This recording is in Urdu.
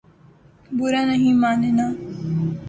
برا نہیں ماننا